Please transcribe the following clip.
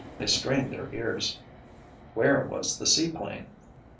They strained their ears. Where was the seaplane?